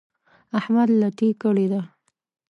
احمد لټي کړې ده.